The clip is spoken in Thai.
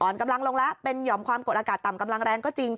อ่อนกำลังลงแล้วเป็นหอมความกดอากาศต่ำกำลังแรงก็จริง